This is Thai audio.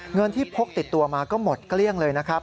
เงินที่พกติดตัวมาก็หมดเกลี้ยงเลยนะครับ